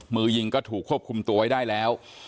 มือยิงก็ถูกควบคุมตัวไว้ได้แล้ว